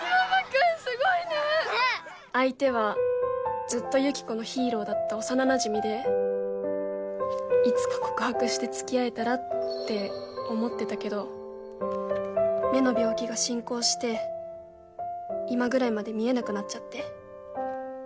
相手はずっとユキコのヒーローだった幼なじみでいつか告白して付き合えたらって思ってたけど目の病気が進行して今ぐらいまで見えなくなっちゃって。